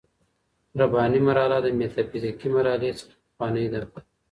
رباني مرحله د ميتا فزيکي مرحلې څخه پخوانۍ ده.